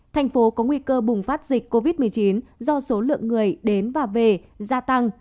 thành phố có nguy cơ bùng phát dịch covid một mươi chín do số lượng người đến và về gia tăng